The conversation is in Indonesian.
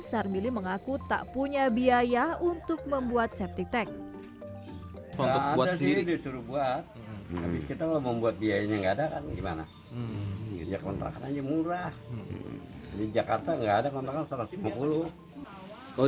sarmili mengaku tak punya biaya untuk membuat septic tank